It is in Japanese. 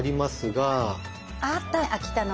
ああった秋田の。